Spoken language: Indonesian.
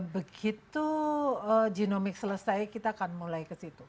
begitu genomik selesai kita akan mulai ke situ